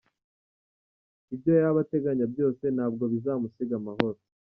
Ibyo yaba ateganya byose ntabwo bizamusiga amahoro.